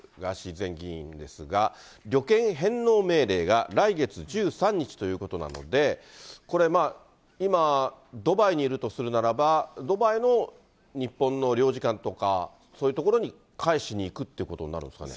前議員ですが、旅券返納命令が来月１３日ということなので、これ、今、ドバイにいるとするならば、ドバイの日本の領事館とか、そういう所に返しに行くということになるんですかね。